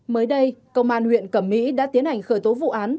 mới đây công an huyện cẩm mỹ đã tiến hành khởi tố vụ án